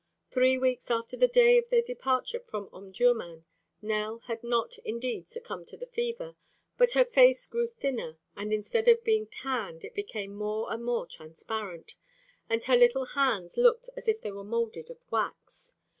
Three weeks after the day of their departure from Omdurmân Nell had not indeed succumbed to the fever, but her face grew thinner and instead of being tanned it became more and more transparent, and her little hands looked as if they were moulded of wax.